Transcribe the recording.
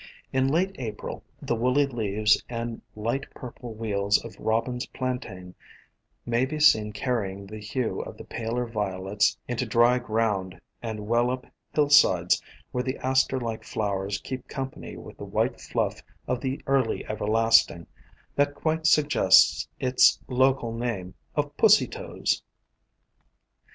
In late April the woolly leaves and light pur ple wheels of Robin's Plantain may be seen carrying the hue of the paler Violets into dry ground and well up hillsides where the aster like flowers keep com pany with the white fluff of the early Everlasting, that quite suggests its local name of Pussy toes.